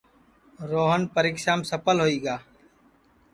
روہن پریکشام سپھل ہوئی گا